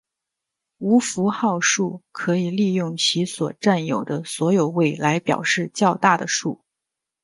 无符号数可以利用其所占有的所有位来表示较大的数。